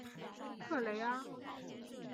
特雷阿。